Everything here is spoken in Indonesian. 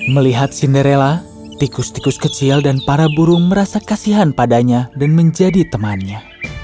melihat cinderella tikus tikus kecil dan para burung merasa kasihan padanya dan menjadi temannya